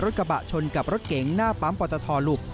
กระบะชนกับรถเก๋งหน้าปั๊มปอตทหลุด